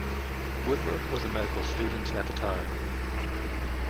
Woodward was a medical student at the time.